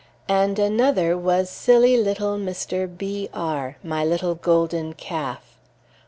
And another was silly little Mr. B r, my little golden calf.